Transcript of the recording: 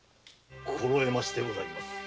心得ましてございます。